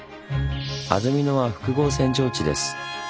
安曇野は複合扇状地です。